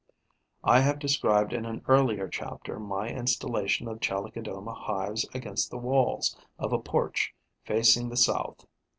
I have described in an earlier chapter my installation of Chalicodoma hives against the walls of a porch facing the south.